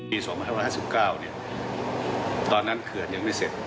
๒๕๕๙ตอนนั้นเขื่อนยังไม่เสร็จ